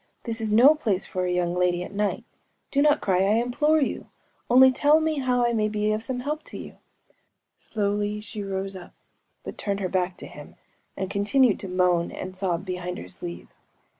This is no place for a young lady at night! Do not cry, I implore you!‚ÄĒonly tell me how I may be of some help to you!‚ÄĚ Slowly she rose up, but turned her back to him, and continued to moan and sob behind her sleeve.